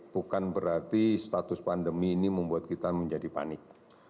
bukan berarti status pandemi ini membuat kita menjadi panik